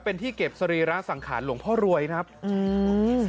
เป็นที่เก็บสรีระสังขารหลวงพ่อรวยครับอืม